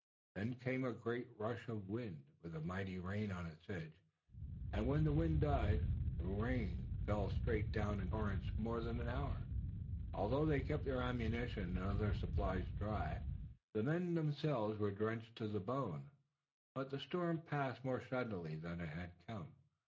Then came a great rushing of wind with a mighty rain on its edge, and, when the wind died, the rain fell straight down in torrents more than an hour. Although they kept their ammunition and other supplies dry the men themselves were drenched to the bone, but the storm passed more suddenly than it had come.